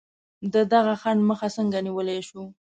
د دغه خنډ مخه څنګه نیولای شو؟